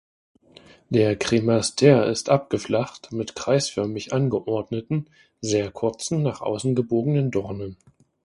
Der Kremaster ist abgeflacht mit kreisförmig angeordneten, sehr kurzen, nach außen gebogenen Dornen.